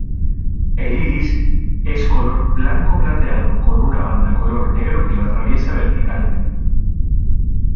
El iris es color blanco-plateado con una banda color negro que lo atraviesa verticalmente.